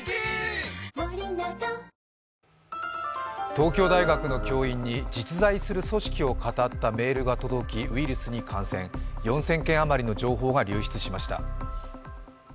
東京大学の教員に実在する組織をかたったメールが届きウイルスに感染、４０００件あまりの情報が流出しました。